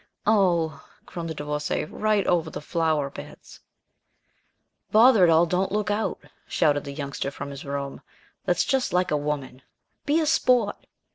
"Oh," groaned the Divorcée, "right over the flower beds!" "Bother it all, don't look out," shouted the Youngster from his room. "That's just like a woman! Be a sport!"